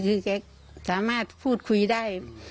คือแกสามารถพูดคุยได้